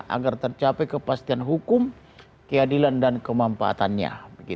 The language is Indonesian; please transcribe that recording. agar tercapai kepastian hukum keadilan dan kemampatannya